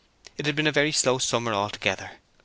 It had been a very slow summer altogether.